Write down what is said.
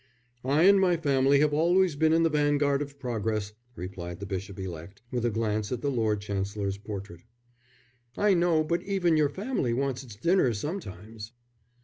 "I and my family have always been in the vanguard of progress," replied the bishop elect, with a glance at the Lord Chancellor's portrait. "I know, but even your family wants its dinner sometimes."